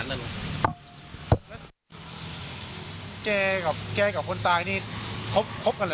แต่ไม่ใช่เป็นครอบครัวเขา